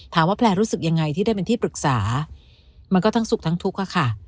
แพลร์รู้สึกยังไงที่ได้เป็นที่ปรึกษามันก็ทั้งสุขทั้งทุกข์อะค่ะ